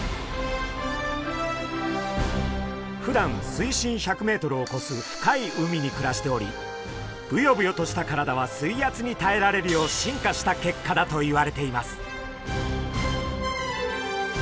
ふだん水深１００ｍをこす深い海に暮らしておりブヨブヨとした体は水圧にたえられるよう進化した結果だといわれています。